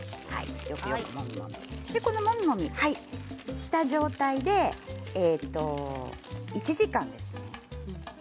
このもみもみした状態で１時間ですね。